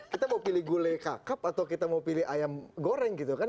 kita mau pilih gulai kakap atau kita mau pilih ayam goreng gitu kan